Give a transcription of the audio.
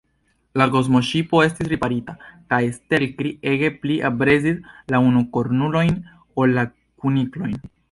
La kosmoŝipo estis riparita, kaj Stelkri ege pli aprezis la unukornulojn ol la kuniklojn.